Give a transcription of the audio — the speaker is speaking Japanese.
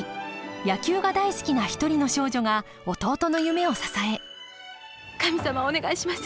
野球が大好きな一人の少女が弟の夢を支え神様お願いします。